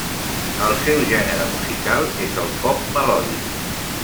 El seu gènere musical és el pop melòdic.